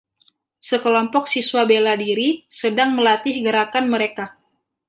Sekelompok siswa bela diri sedang melatih gerakan mereka.